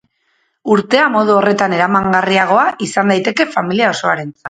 Urtea modu horretan eramangarriagoa izan daiteke familia osoarentzat.